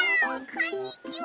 こんにちは。